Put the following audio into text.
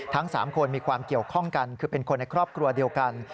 ทั้ง๓คนมีความเกี่ยวข้องกันคือเป็นคนในครอบครัวเดียวกัน